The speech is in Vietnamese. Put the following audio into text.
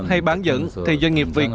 hay bán dẫn thì doanh nghiệp việt